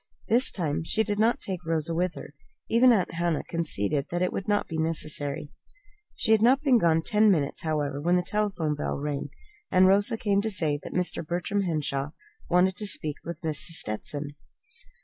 This time she did not take Rosa with her. Even Aunt Hannah conceded that it would not be necessary. She had not been gone ten minutes, however, when the telephone bell rang, and Rosa came to say that Mr. Bertram Henshaw wanted to speak with Mrs. Stetson.